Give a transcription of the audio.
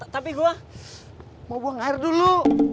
tapi gue mau buang air dulu